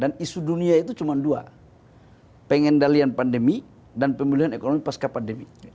dan isu dunia itu cuma dua pengendalian pandemi dan pemulihan ekonomi pasca pandemi